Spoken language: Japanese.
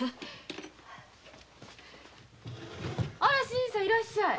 新さんいらっしゃい。